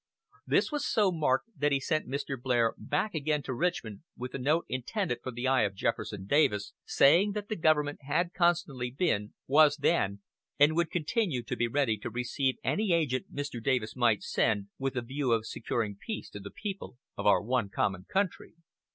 This was so marked that he sent Mr. Blair back again to Richmond with a note intended for the eye of Jefferson Davis, saying that the government had constantly been, was then, and would continue to be ready to receive any agent Mr. Davis might send, "with a view of securing peace to the people of our one common country."